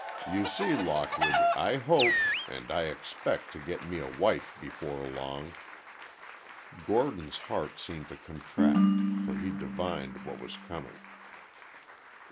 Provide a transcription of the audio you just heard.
You see, Lockwood, I hope—and I expect to get me a wife before long." Gordon's heart seemed to contract, for he divined what was coming.